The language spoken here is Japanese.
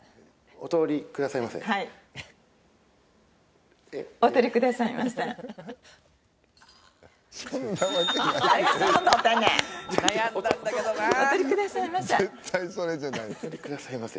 お取りくださいませ。